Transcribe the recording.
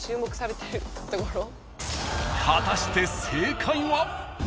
［果たして正解は］